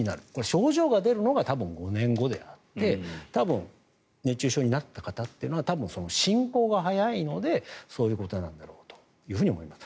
症状が出るのが多分５年後で多分熱中症になった方っていうのは進行が速いのでそういうことなんだろうと思います。